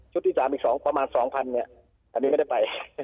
ชุดที่สามอีกสองประมาณสองพันเนี้ยอันนี้ไม่ได้ไป